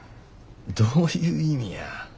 どういう意味や。